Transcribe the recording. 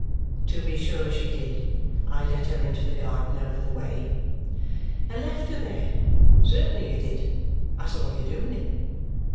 "To be sure she did! I let her into the garden over the way." "And left her there. Certainly you did. I saw you doing it."